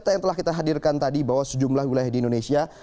data yang telah kita hadirkan tadi bahwa sejumlah wilayah di indonesia